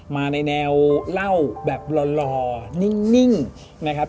มาในแนวเล่าแบบหล่อนิ่งนะครับ